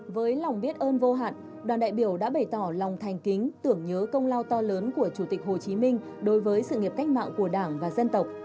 với lòng biết ơn vô hạn đoàn đại biểu đã bày tỏ lòng thành kính tưởng nhớ công lao to lớn của chủ tịch hồ chí minh đối với sự nghiệp cách mạng của đảng và dân tộc